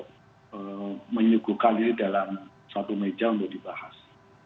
untuk menyuguhkan diri dalam satu meja untuk dibahas